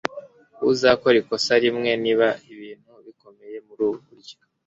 uzakora ikosa rimwe niba ibintu bikomeje murubu buryo